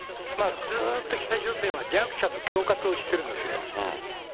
ずっと北朝鮮は弱者の恐喝をしてるんですよ。